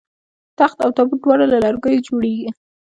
تخت او تابوت دواړه له لرګیو جوړیږي